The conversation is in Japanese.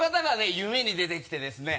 夢に出てきてですね